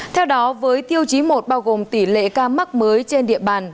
theo đó với tiêu chí một bao gồm tỷ lệ ca mắc mới trên địa bàn